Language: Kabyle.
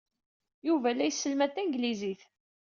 Yuba la yesselmad tanglizit.